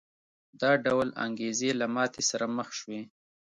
دا ډول انګېزې له ماتې سره مخ شوې.